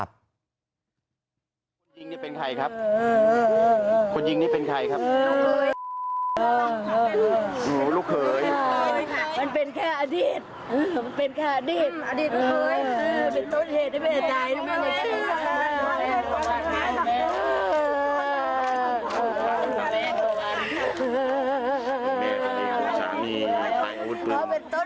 เป็นต้นเหตุเลย